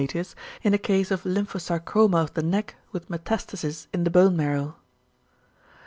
^ in a case of lymphosarcoma of the neck with metastases in the bone marrow.